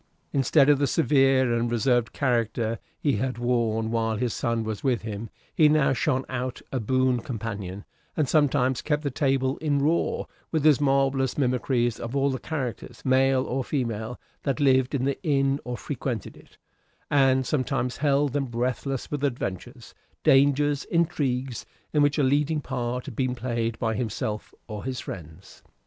Instead of the severe and reserved character he had worn while his son was with him, he now shone out a boon companion, and sometimes kept the table in a roar with his marvellous mimicries of all the characters, male or female, that lived in the inn or frequented it, and sometimes held them breathless with adventures, dangers, intrigues, in which a leading part had been played by himself or his friends.